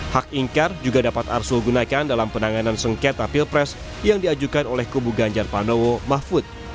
hak ingkar juga dapat arsul gunakan dalam penanganan sengketa pilpres yang diajukan oleh kubu ganjar pranowo mahfud